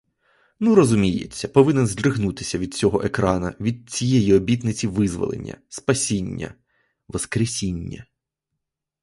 Ну, розуміється, повинен здригнутися від цього екрана, від цієї обітниці визволення, спасіння, воскресіння.